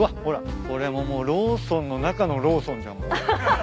ほらこれももうローソンの中のローソンじゃんもう。